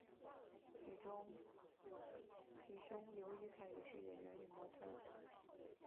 其兄刘雨凯也是演员与模特儿。